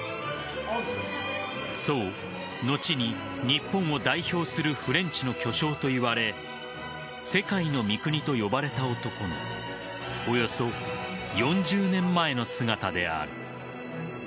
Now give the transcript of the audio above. そう、後に日本を代表するフレンチの巨匠といわれ世界の三國と呼ばれた男のおよそ４０年前の姿である。